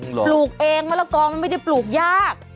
หรอปลูกเองมะละกองไม่ได้ปลูกยาก